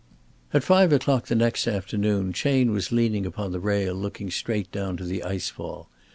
At five o'clock on the next afternoon, Chayne was leaning upon the rail looking straight down to the ice fall.